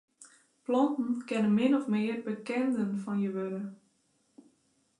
Planten kinne min of mear bekenden fan je wurde.